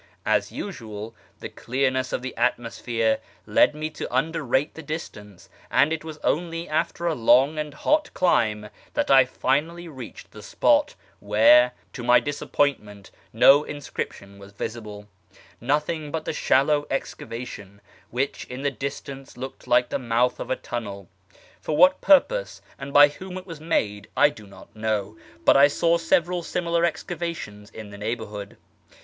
As usual, the clearness of the atmosphere led me to underrate the distance, and it was only after a long and hot climb that I finally reached the spot, where, to my disappointment, no inscription was visible — nothing but the shallow excavation, which in the distance looked like the mouth of a tunnel. For what purpose and by whom it was made I do not know, but I saw several similar excavations in the neighbourhood.